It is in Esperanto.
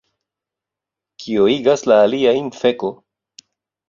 Kio igas la aliajn feko